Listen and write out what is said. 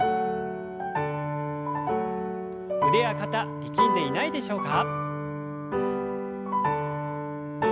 腕や肩力んでいないでしょうか。